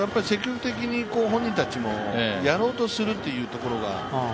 積極的に本人たちもやろうとするというところが。